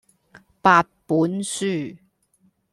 八本書